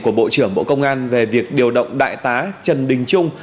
của bộ trưởng bộ công an về việc điều động đại tá trần đình trung